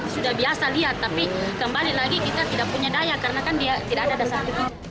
sudah biasa lihat tapi kembali lagi kita tidak punya daya karena kan dia tidak ada dasar itu